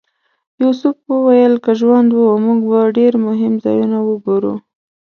یوسف وویل که ژوند و موږ به ډېر مهم ځایونه وګورو.